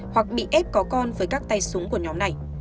hoặc bị ép có con với các tay súng của nhóm này